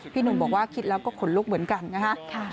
หนุ่มบอกว่าคิดแล้วก็ขนลุกเหมือนกันนะฮะ